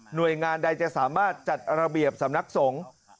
โดยงานใดจะสามารถจัดระเบียบสำนักสงฆ์